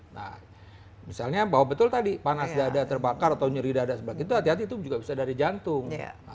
nah misalnya bahwa betul tadi panas dada terbakar atau nyeri dada sebelah itu hati hati itu juga bisa dari jantung